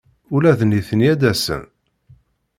Ula d nitni ad d-asen?